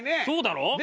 そうだろ？